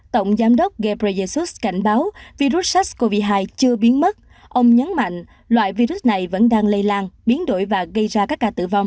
tổng giám đốc gebreyesa sus cảnh báo virus sars cov hai chưa biến mất ông nhấn mạnh loại virus này vẫn đang lây lan biến đổi và gây ra các ca tử vong